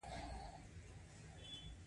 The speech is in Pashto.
د ازادۍ نشتون به یوه ستونزه وي.